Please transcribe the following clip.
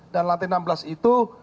dan lantai enam belas itu